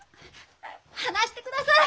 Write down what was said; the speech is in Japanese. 離してくだされ！